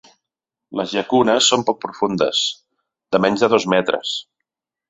Les llacunes són poc profundes, de menys de dos metres.